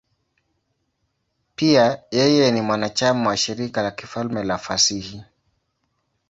Pia yeye ni mwanachama wa Shirika la Kifalme la Fasihi.